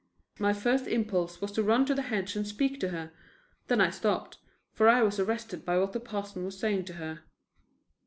My first impulse was to run to the hedge and speak to her; then I stopped, for I was arrested by what the parson was saying to her.